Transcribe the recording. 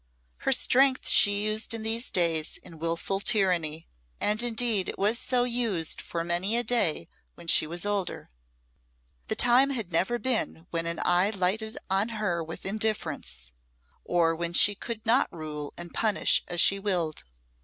Her strength she used in these days in wilful tyranny, and indeed it was so used for many a day when she was older. The time had never been when an eye lighted on her with indifference, or when she could not rule and punish as she willed.